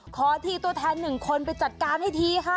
ขอทีตัวแทนหนึ่งคนไปจัดการให้ทีค่ะ